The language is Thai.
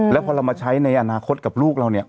แล้วพอเรามาใช้ในอนาคตกับลูกเราเนี่ย